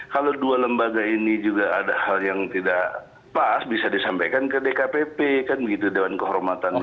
kalau dua lembaga ini juga ada hal yang tidak pas bisa disampaikan ke dkpp kan begitu dewan kehormatannya